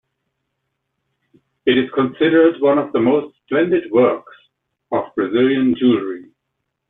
It is considered one of the most splendid works of Brazilian jewelry.